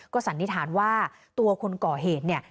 สันนิษฐานว่าตัวคนก่อเหตุเนี่ย